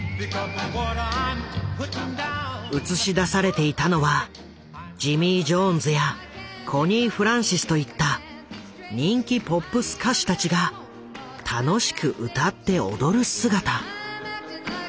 映し出されていたのはジミー・ジョーンズやコニー・フランシスといった人気ポップス歌手たちが楽しく歌って踊る姿。